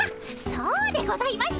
そうでございました。